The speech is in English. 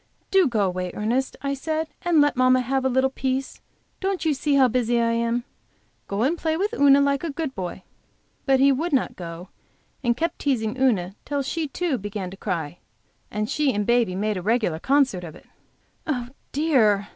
"Do go away, Ernest," I said, "and let mamma have a little peace. Don't you see how busy I am? Go and play with Una like a good boy." But he would not go, and kept teasing Una till she too, began to cry, and she and baby made a regular concert of it. "Oh, dear!"